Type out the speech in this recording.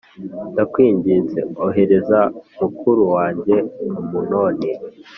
ndakwinginze ohereza mukuru wanjye Amunoni